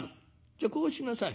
じゃあこうしなさい。